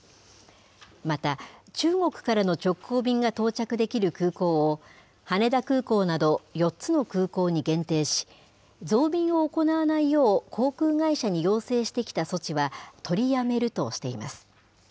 また、中国からの直行便が到着できる空港を、羽田空港など４つの空港に限定し、増便を行わないよう航空会社に要請してきた措置は、取りやめるとしています。